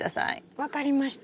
分かりました。